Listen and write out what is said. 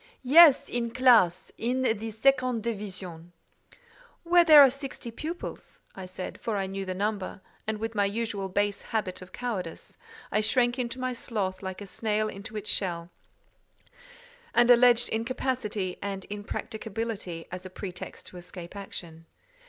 "Yes, in classe: in the second division." "Where there are sixty pupils," said I; for I knew the number, and with my usual base habit of cowardice, I shrank into my sloth like a snail into its shell, and alleged incapacity and impracticability as a pretext to escape action.